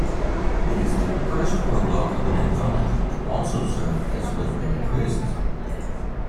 It is the first prologue of an anthology to also serve as literary criticism.